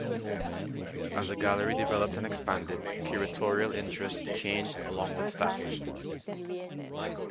As the gallery developed and expanded, curatorial interest changed along with staff.